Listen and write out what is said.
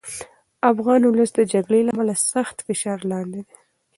افغان ولس د جګړې له امله سخت فشار لاندې دی.